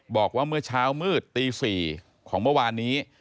บอกว่าเมื่อเช้ามืดตี๔ของเมื่อวานนี้